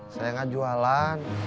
saya gak jualan